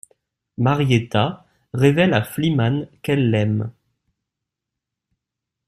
Marietta révèle à Flimann qu'elle l'aime.